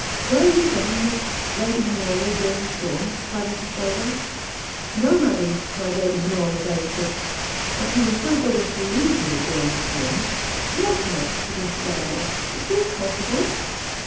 "Were you, then, with Lady Honoria during the storm?" cried Mrs Delvile. "No, Madam!" cried Lady Honoria very quick; "but he was so good as to leave me during the storm." "Mortimer," said Mr Delvile, "is this possible?"